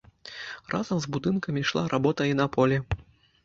Разам з будынкамі ішла работа і на полі.